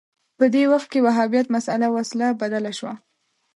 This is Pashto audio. په دې وخت کې وهابیت مسأله وسله بدله شوه